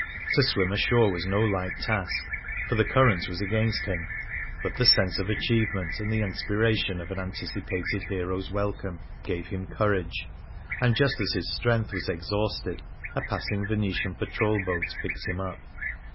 To swim ashore was no light task, for the current was against him ; but the sense of achievement, and the inspiration of an antici pated hero's welcome, gave him courage, and just as his strength was exhausted a passing Venetian patrol boat picked him up.